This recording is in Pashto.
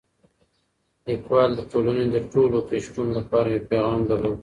لیکوال د ټولنې د ټولو قشرونو لپاره یو پیغام درلود.